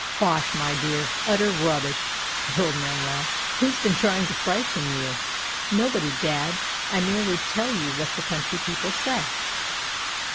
"Bosh, my dear! utter rubbish!" the old man laughed. "Who's been trying to frighten you?" "Nobody, dad. I merely tell you what the country people say."